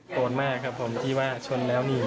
โกรธมากครับผมที่ว่าชนแล้วนี่